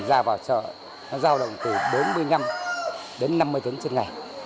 ra vào chợ nó giao động từ bốn mươi năm đến năm mươi tấn trên ngày